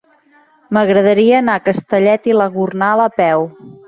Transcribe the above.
M'agradaria anar a Castellet i la Gornal a peu.